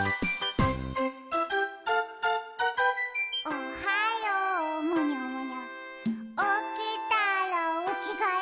「おはようむにゃむにゃおきたらおきがえ」